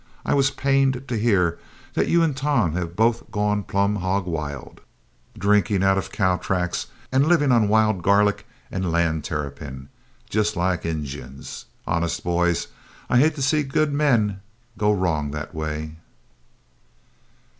I was pained to hear that you and Tom have both gone plum hog wild, drinking out of cowtracks and living on wild garlic and land terrapin, just like Injuns. Honest, boys, I hate to see good men go wrong that way."